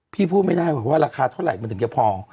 พูดไม่ได้ว่าราคาเท่าไหร่มันถึงจะพอ